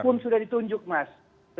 pun sudah ditunjuk mas